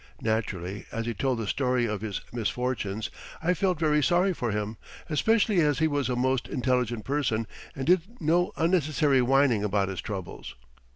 Naturally, as he told the story of his misfortunes, I felt very sorry for him, especially as he was a most intelligent person and did no unnecessary whining about his troubles.